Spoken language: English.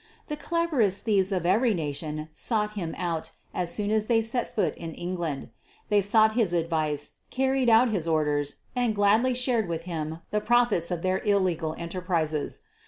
The clev erest thieves of every nation sought him out as soon as they set foot in England. They sought his ad vice, carried out his orders, and gladly shared with him the profits of their illegal enterprises.